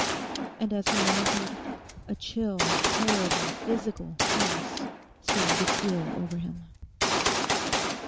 And as he mounted a chill, terrible, physical peace seemed to steal over him.